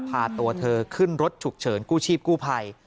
พาตัวเธอขึ้นรถฉุกเฉินกู้ชีพกู้ภัย